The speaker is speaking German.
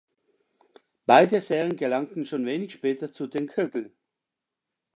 Beide Serien gelangten schon wenig später zu den Kgl.